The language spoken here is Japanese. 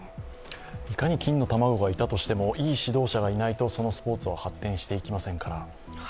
いかに金の卵がいたとしてもいい指導者かいないとそのスポーツは発展していきませんから。